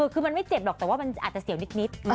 คือมันไม่เจ็บหรอกแต่ว่ามันอาจจะเสี่ยงนิด